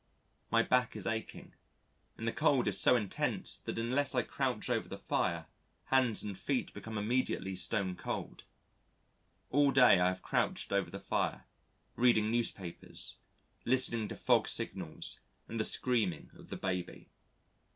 My back is aching and the cold is so intense that unless I crouch over the fire hands and feet become immediately stone cold. All day I have crouched over the fire, reading newspapers, listening to fog signals and the screaming of the baby....